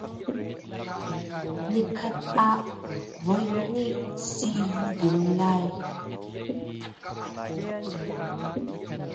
Nikhat ah voihnih si na ding lai .